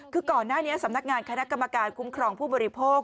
คือก่อนหน้านี้สำนักงานคณะกรรมการคุ้มครองผู้บริโภค